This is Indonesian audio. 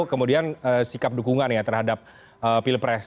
kemudian sikap dukungan ya terhadap pilpres